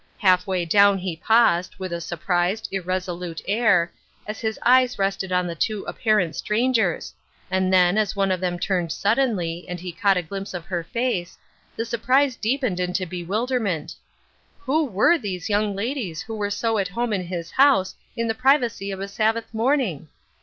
Half way down he paused, with a sur prised, irresolute air, as his eyes rested on the two apparent strangers, and then, as one of them turned suddenly, and he caught a glimpse of her face, the surprise deepened into bewilder ment. Who were these young ladies who were so at home in liis house in the privacy of a Sab bath morning?